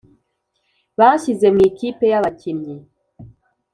Banshyize mu ikipe y’abakinnyi